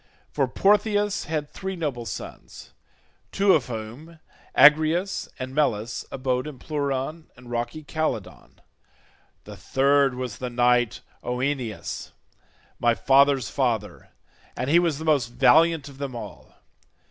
For Portheus had three noble sons, two of whom, Agrius and Melas, abode in Pleuron and rocky Calydon. The third was the knight Oeneus, my father's father, and he was the most valiant of them all.